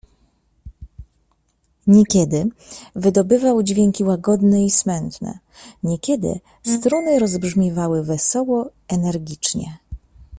"Niekiedy wydobywał dźwięki łagodne i smętne, niekiedy struny rozbrzmiewały wesoło, energicznie."